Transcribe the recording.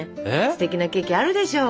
ステキなケーキあるでしょ？